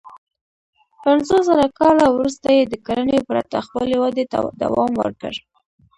پنځوسزره کاله وروسته یې د کرنې پرته خپلې ودې ته دوام ورکړ.